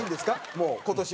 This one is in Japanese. もう今年は。